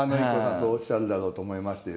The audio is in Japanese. そうおっしゃるだろうと思いましてですね